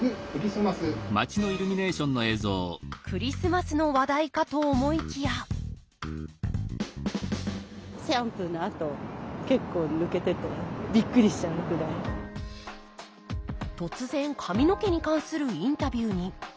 クリスマスの話題かと思いきや突然髪の毛に関するインタビューに。